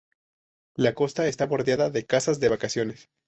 La costa está bordeada de casas de vacaciones.